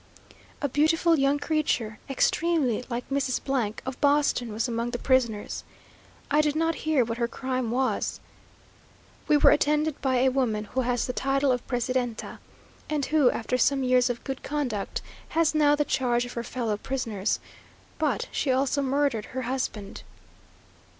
A beautiful young creature, extremely like Mrs. , of Boston, was among the prisoners. I did not hear what her crime was. We were attended by a woman who has the title of Presidenta, and who, after some years of good conduct, has now the charge of her fellow prisoners but she also murdered her husband!